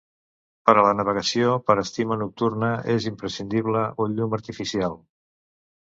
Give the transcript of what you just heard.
Per a la navegació per estima nocturna és imprescindible un llum artificial.